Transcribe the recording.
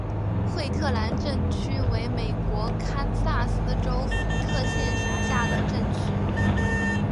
惠特兰镇区为美国堪萨斯州福特县辖下的镇区。